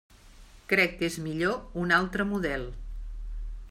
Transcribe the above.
Crec que és millor un altre model.